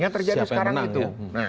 yang terjadi sekarang itu